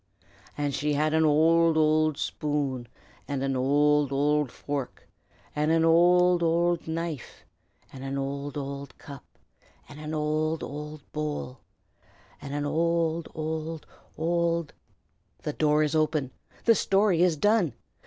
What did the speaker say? "An' she had an owld, owld shpoon, an' an owld, owld fork, an' an owld, owld knife, an' an owld, owld cup, an' an owld, owld bowl, an' an owld, owld, owld " The door is open! The story is done!